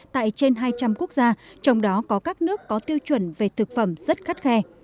tại trên hai trăm linh quốc gia trong đó có các nước có tiêu chuẩn về thực phẩm rất khắt khe